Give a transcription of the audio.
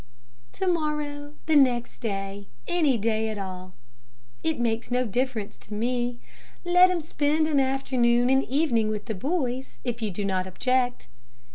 "To morrow, the next day, any day at all. It makes no difference to me. Let him spend an afternoon and evening with the boys, if you do not object."